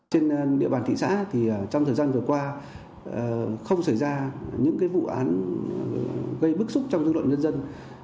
trên địa bàn thị xã thì trong thời gian vừa qua không xảy ra những vụ án gây bức xúc trong dư luận nhân dân